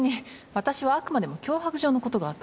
私はあくまでも脅迫状のことがあったからで。